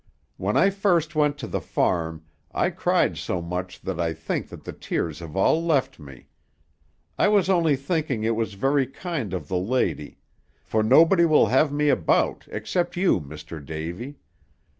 "When I first went to the farm, I cried so much that I think that the tears have all left me. I was only thinking it was very kind of the lady, for nobody will have me about except you, Mr. Davy.